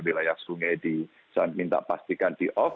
wilayah sungai minta pastikan di off